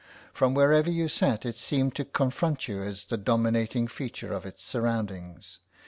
From wherever you sat it seemed to confront you as the dominating feature of its surroundings.